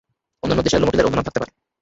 অন্যান্য দেশে লোমোটিলের অন্য নাম থাকতে পারে।